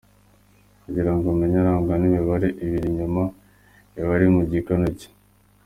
Kugira ngo umumenye arangwa n’imibare ibiri ya nyuma iba iri ku gikanu cye.